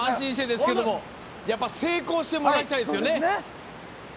でも成功してもらいたいですね。